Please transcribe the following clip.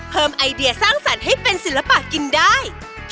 ไอเดียสร้างสรรค์ให้เป็นศิลปะกินได้